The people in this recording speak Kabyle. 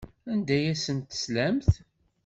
Anda ay asen-teslamt?